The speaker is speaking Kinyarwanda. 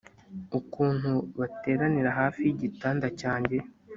ukuntu bateranira hafi yigitanda cyanjye